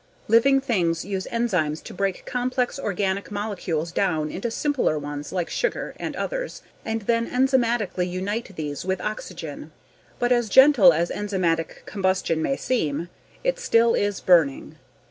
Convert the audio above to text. Living things use enzymes to break complex organic molecules down into simpler ones like sugar (and others) and then enzymatically unite these with oxygen. But as gentle as enzymatic combustion may seem, it still is burning.